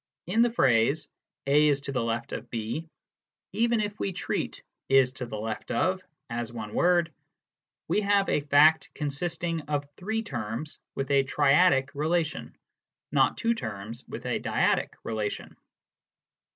In the phrase " A is to the left of B/' even if we treat " is to the left of " as one word, we have a fact consisting of three terms with a triadic relation, not two terms with a dyadic relation.